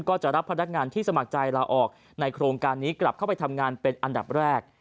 ก็จะรับพนักงานที่สมัครใจลาออกในโครงการนี้กลับเข้าไปทำงานเป็นอันดับแรก